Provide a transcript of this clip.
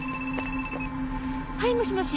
はいもしもし。